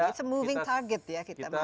it's a moving target ya kita masih